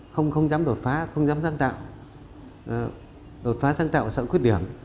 không dám đột phá không dám sáng tạo đột phá sáng tạo sẵn khuyết điểm